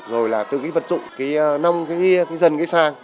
rồi là từ cái vận dụng cái nông cái ghi cái dân cái sang